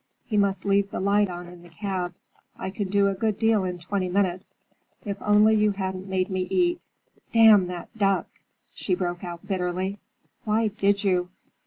He must leave the light on in the cab. I can do a good deal in twenty minutes. If only you hadn't made me eat—Damn that duck!" she broke out bitterly; "why did you?"